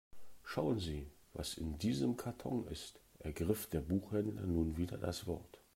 Schauen Sie, was in diesem Karton ist, ergriff der Buchhändler nun wieder das Wort.